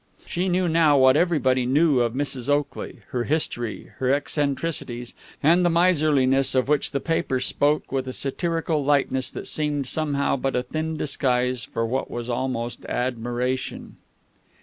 She knew now what everybody knew of Mrs. Oakley her history, her eccentricities, and the miserliness of which the papers spoke with a satirical lightness that seemed somehow but a thin disguise for what was almost admiration.